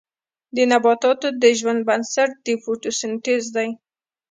د نباتاتو د ژوند بنسټ د فوتوسنتیز دی